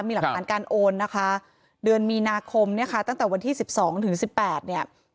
มีหลักฐานการโอนนะคะเดือนมีนาคมเนี่ยค่ะตั้งแต่วันที่สิบสองถึงสิบแปดเนี่ย